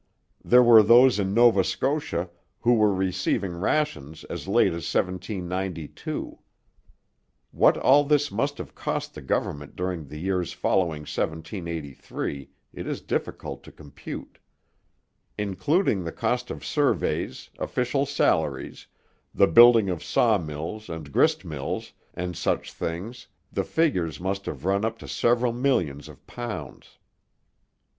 There were those in Nova Scotia who were receiving rations as late as 1792. What all this must have cost the government during the years following 1783 it is difficult to compute. Including the cost of surveys, official salaries, the building of saw mills and grist mills, and such things, the figures must have run up to several millions of pounds.